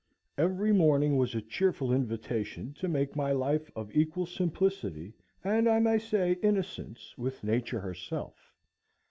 Every morning was a cheerful invitation to make my life of equal simplicity, and I may say innocence, with Nature herself.